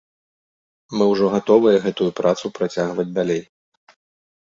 Мы ўжо гатовыя гэтую працу працягваць далей.